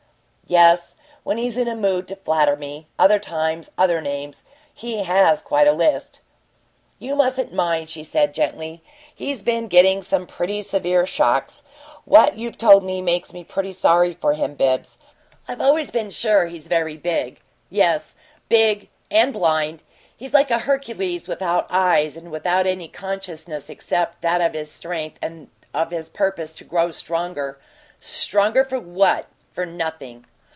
"Yes when he's in a mood to flatter me. Other times, other names. He has quite a list." "You mustn't mind," she said, gently. "He's been getting some pretty severe shocks. What you've told me makes me pretty sorry for him, Bibbs. I've always been sure he's very big." "Yes. Big and blind. He's like a Hercules without eyes and without any consciousness except that of his strength and of his purpose to grow stronger. Stronger for what? For nothing."